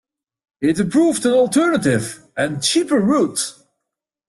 It provided an alternative and cheaper route.